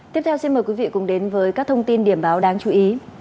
tiếp theo xin mời quý vị cùng đến với các thông tin điểm báo đáng chú ý